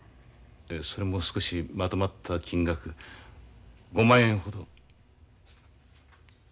それも少しまとまった金額５万円ほど。